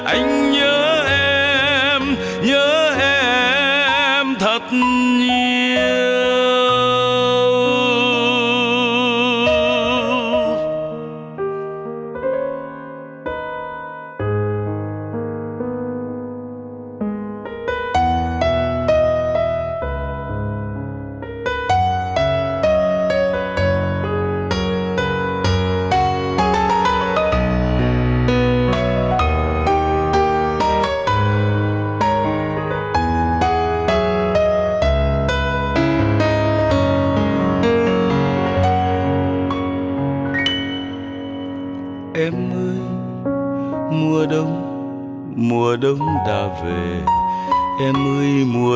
anh nhớ em nhớ em thật nhiều